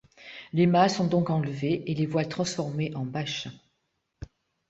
Les mâts sont donc enlevés et les voiles transformées en bâches.